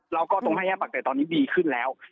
แล้วก็ตรงให้แยกปากเตะตอนนี้ดีขึ้นแล้ว